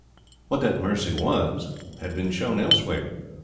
"What that mercy was, had been shown elsewhere.